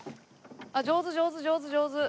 あっ上手上手上手上手。